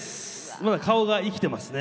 まだ顔が生きてますね。